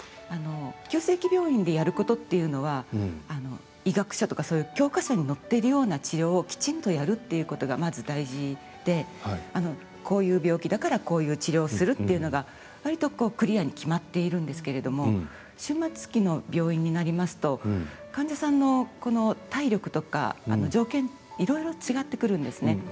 急性期病院でやることっていうのは医学書とか、そういう教科書に載っているような治療をきちんとやるっていうことがまず大事でこういう病気だからこういう治療するっていうのがわりと、クリアに決まっているんですけれども終末期の病院になりますと患者さんの体力とか条件いろいろ違ってくるんですね。